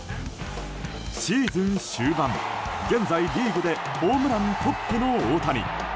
シーズン終盤、現在リーグでホームラントップの大谷。